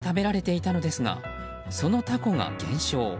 カニはタコに食べられていたのですがそのタコが減少。